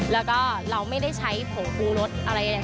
แล้วเราไม่ได้ใช้โผล่ปรุงรสอะไรอย่างเนี่ยทั้งสิ้น